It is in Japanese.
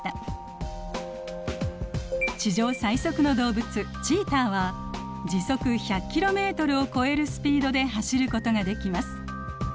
地上最速の動物チーターは時速１００キロメートルを超えるスピードで走ることができます。